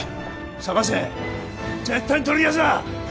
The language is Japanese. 捜せ絶対に取り逃がすな！